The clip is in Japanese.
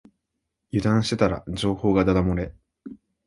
油断してたら情報がだだ漏れ